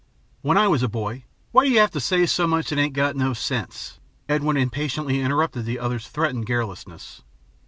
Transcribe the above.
When I was a boy " "Why do you say so much that ain't got no sense?" Edwin impatiently interrupted the other's threatened garrulousness.